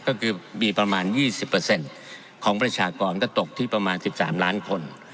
ก็คือมีประมาณ๒๐ของประชากรก็ตกที่ประมาณ๑๓ล้านคน